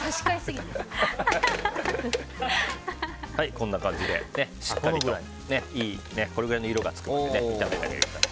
こんな感じで、しっかりとこれぐらいの色がつくまで炒めてあげると。